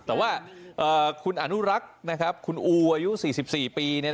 แต่ว่าคุณอนุรักษ์นะครับคุณอูอายุ๔๔ปี